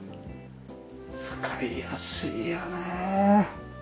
使いやすいよね。